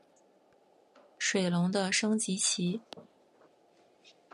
水龙的升级棋。